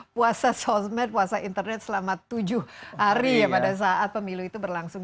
puasa sosmed puasa internet selama tujuh hari ya pada saat pemilu itu berlangsung